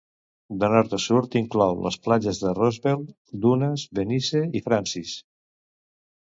De nord a sud, inclou les platges de Roosevelt, Dunes, Venice i Francis.